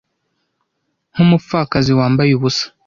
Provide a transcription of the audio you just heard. nkumupfakazi wambaye ubusa